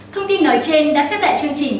thông tin nói trên đã kết nạp chương trình